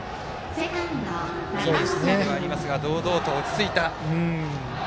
２年生ではありますが堂々と落ち着いた。